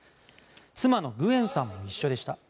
妻のグウェンさんも一緒でした。